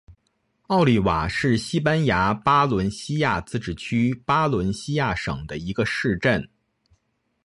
奥利瓦是西班牙巴伦西亚自治区巴伦西亚省的一个市镇。